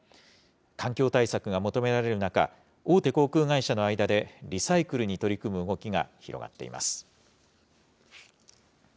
環境対策が求められる中、大手航空会社の間で、リサイクルに取り組む動きが広がっています。